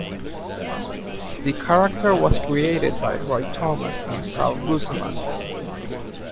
The character was created by Roy Thomas and Sal Buscema.